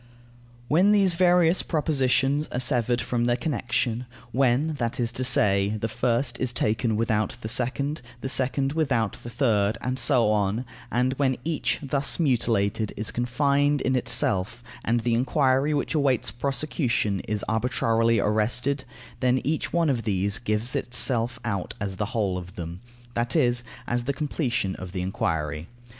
When these various propositions are severed from their connection; when, that is to say, the first is taken without the second, the second without the third, and so on, and when each, thus mutilated, is confined in itself and the enquiry which awaits prosecution is arbitrarily arrested, then each one of these gives itself out as the whole of them, that is, as the completion of the enquiry.